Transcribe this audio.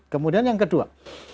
kemudian yang kedua